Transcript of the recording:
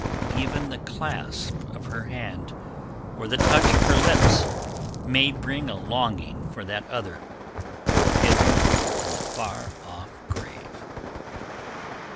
Even the clasp of her hand or the touch of her lips may bring a longing for that other, hidden in the far off grave.